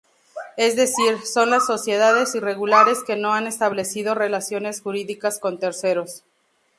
Es decir, son las sociedades irregulares que no han establecido relaciones jurídicas con terceros.